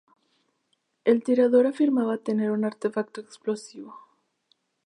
El tirador afirmaba tener un artefacto explosivo.